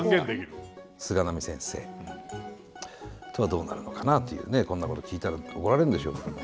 菅波先生とはどうなるのかなというねこんなこと聞いたら怒られるんでしょうけども。